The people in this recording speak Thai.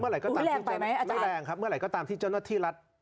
ไม่แรงครับเมื่อไหร่ก็ตามที่เจ้าหน้าที่รัฐ